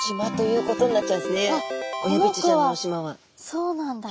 そうなんだ。